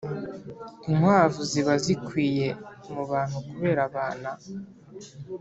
inkwavu ziba zikwiye mu bantu kubera abana.